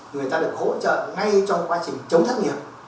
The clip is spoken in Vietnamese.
người ta được hỗ trợ ngay trong quá trình chống thất nghiệp